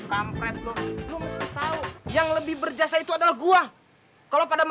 saya yang berhak mendapatkan orisad itu